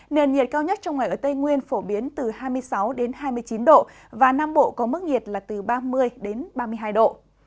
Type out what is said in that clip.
nền nhiệt cao nhất trong ngày ở tây nguyên phổ biến từ hai mươi sáu hai mươi chín độ và nam bộ có mức nhiệt là từ ba mươi ba mươi hai độ